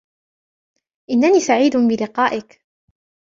إنني سعيد بلقائك.